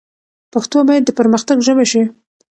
پښتو باید د پرمختګ ژبه شي.